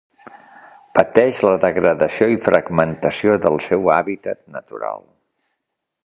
Pateix la degradació i fragmentació del seu hàbitat natural.